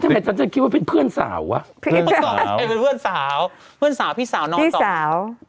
ฉันทำไมจะคิดว่าเป็นเพื่อนสาวว่ะเพื่อนสาวพี่สาวพี่สาวพี่สาว